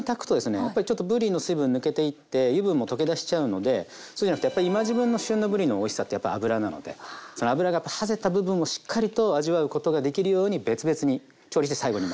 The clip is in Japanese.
やっぱりちょっとぶりの水分抜けていって油分も溶け出しちゃうのでそうじゃなくってやっぱり今時分のその脂がはぜた部分をしっかりと味わうことができるように別々に調理して最後に混ぜ合わせます。